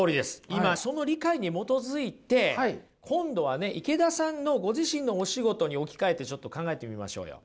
今その理解に基づいて今度はね池田さんのご自身のお仕事に置き換えてちょっと考えてみましょうよ。